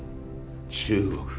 中国